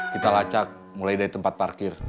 kita lacak mulai dari tempat parkir